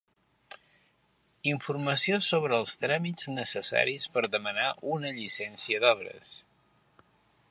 Informació sobre els tràmits necessaris per demanar una llicència d'obres.